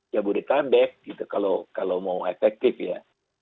jabodetabek gitu kalau mau efektif ya